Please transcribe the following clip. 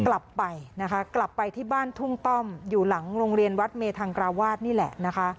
กลับไปนะคะกลับไปที่บ้านทุ่งต้อมอยู่หลังโรงเรียนวัดเมธังกราวาสนี่แหละนะคะ